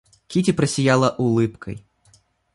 Кити просияла улыбкой.